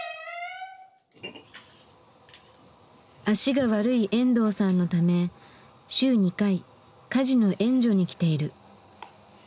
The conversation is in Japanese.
脚が悪い遠藤さんのため週２回家事の援助に来ている。